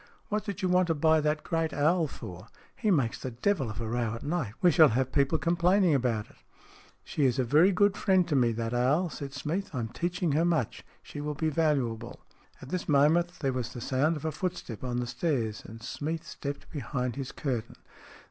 What did you want to buy that great owl for ? He makes the devil of a row at night. We shall have people complaining about it." " She is a very good friend to me, that owl," said Smeath. " I am teaching her much. She will be valuable." At this moment there was the sound of a footstep on the stairs, and Smeath stepped behind his curtain.